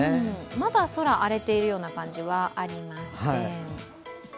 まだ空、荒れているような感じはありません。